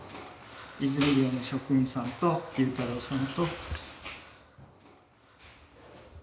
泉寮の職員さんと龍太郎さんと。